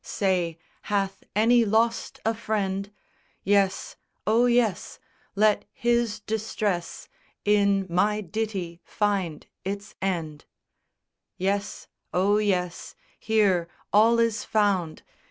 Say, hath any lost a friend? Yes; oh, yes! Let his distress In my ditty find its end. Yes; oh, yes; here all is found!